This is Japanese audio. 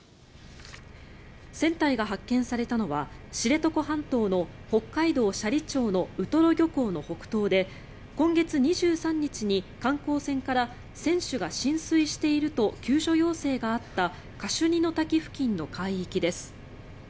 船体が発見されたのは知床半島の北海道斜里町のウトロ漁港の北東で今月２３日に観光船から船首が浸水していると救助要請があったカシュニの滝付近の海域です。